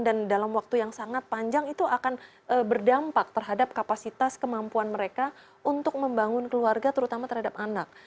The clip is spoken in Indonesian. dan dalam waktu yang sangat panjang itu akan berdampak terhadap kapasitas kemampuan mereka untuk membangun keluarga terutama terhadap anak